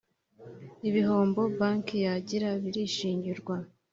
ibihombo banki yagira birishingirwa